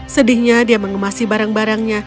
sedihnya dia mengemasi barang barangnya